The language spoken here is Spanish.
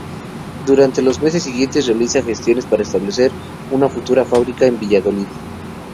Durante los meses siguientes realiza gestiones para establecer la futura fábrica en Valladolid.